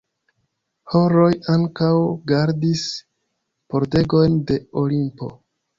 Horoj ankaŭ gardis pordegojn de Olimpo.